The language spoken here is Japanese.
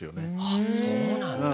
あそうなんだ。